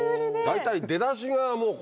大体。